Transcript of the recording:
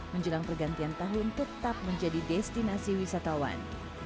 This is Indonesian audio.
menjelang pergantian tahun tetap menjadi destinasi wisatawan